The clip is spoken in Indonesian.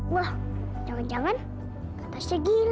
wah jangan jangan katasnya gila